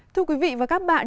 thưa quý vị và các bạn